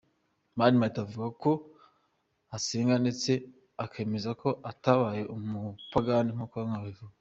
Mani Martin avuga ko asenga ndetse akemeza ko atabaye umupagani nk’uko bamwe babivuga.